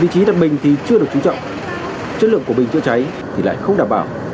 vị trí tật mình thì chưa được chú trọng chất lượng của bình chữa cháy thì lại không đảm bảo